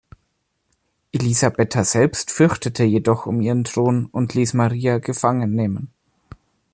Elisabetta selbst fürchtete jedoch um ihren Thron und ließ Maria gefangen nehmen.